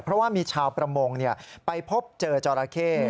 เพราะว่ามีชาวประมงไปพบเจอจราเข้